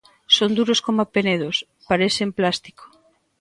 Son duros coma penedos, parecen plástico.